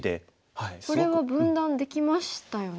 これは分断できましたよね。